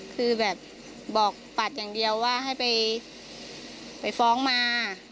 คือแบบบอกปัดอย่างเดียวว่าให้ไปฟ้องมา